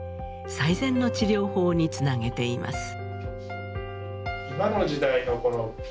最善の治療法につなげています。